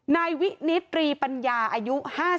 นายวินิตรีปัญญาอายุ๕๐